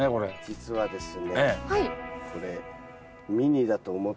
実はですね